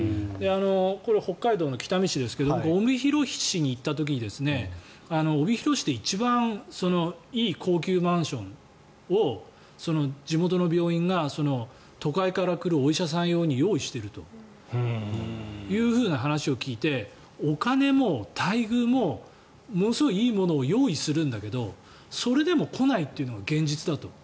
これ、北海道の北見市ですけど帯広市に行った時に帯広市で一番いい高級マンションを地元の病院が都会から来るお医者さん用に用意しているという話を聞いてお金も待遇もものすごくいいものを用意するんだけどそれでも来ないというのが現実だと。